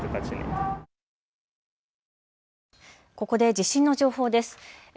ここで地震の情報です。